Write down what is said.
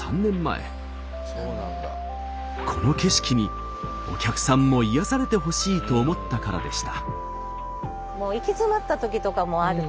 この景色にお客さんも癒やされてほしいと思ったからでした。